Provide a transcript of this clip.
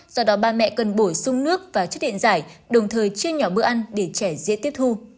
do đó ba mẹ cần bổ sung nước và chất điện giải đồng thời chia nhỏ bữa ăn để trẻ dễ tiếp thu